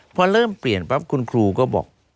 พอเริ่มเปลี่ยนปั๊บคุณครูก็บอก